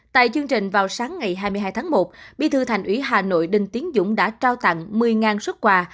tại chương trình vào sáng ngày hai mươi hai tháng một bí thư thành ủy hà nội đinh tiến dũng đã trao tặng một mươi xuất quà